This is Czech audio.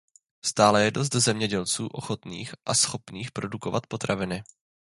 Stále je dost zemědělců ochotných a schopných produkovat potraviny.